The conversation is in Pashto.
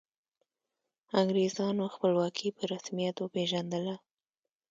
انګریزانو خپلواکي په رسمیت وپيژندله.